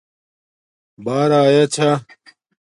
بݳر آیاچھݳ